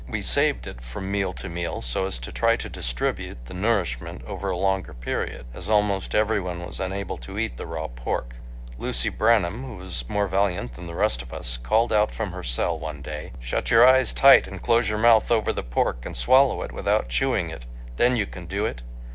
We saved it from meal to meal so as to try to distribute the nourishment over a longer period, as almost every one was unable to eat the raw pork. Lucy Branham, who was more valiant than the rest of us, called out from her cell, one day, "Shut your eyes tight, close your mouth over the pork and swallow it without chewing it. Then you can do it."